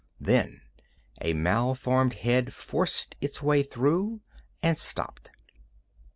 Then a malformed head forced its way through and stopped.